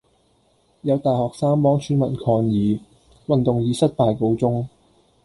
有大學生幫村民抗議。運動以失敗告終